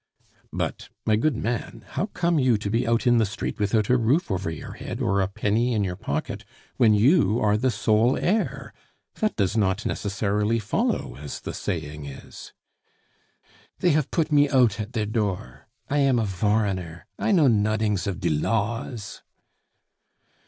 "But, my good man, how come you to be out in the street without a roof over your head or a penny in your pocket, when you are the sole heir? That does not necessarily follow, as the saying is." "They haf put me out at der door. I am a voreigner, I know nodings of die laws."